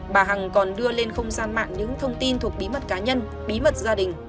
bà hằng còn đưa lên không gian mạng những thông tin thuộc bí mật cá nhân bí mật gia đình